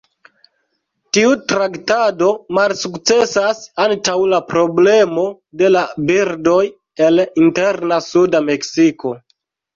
Tiu traktado malsukcesas antaŭ la problemo de la birdoj el interna suda Meksiko.